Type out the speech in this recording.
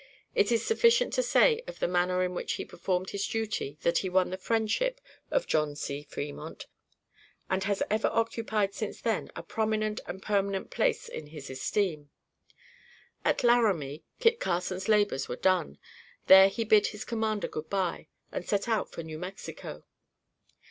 It is sufficient to say of the manner in which he performed his duties that he won the friendship of John C. Fremont, and has ever occupied since then a prominent and permanent place in his esteem. At Laramie, Kit Carson's labors were done. There he bid his commander good bye and set out for New Mexico.